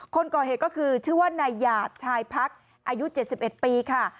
คนก่อเหตุก็คือชื่อว่านายหยาบชายพักอายุ๗๑ปีค่ะ